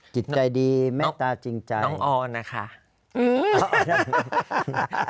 จิตใจดีแม่ตาจริงใจน้องออนนะค่ะอืม